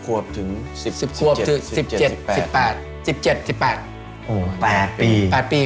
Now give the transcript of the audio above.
๑๐ควบถึง๑๗๑๘ปี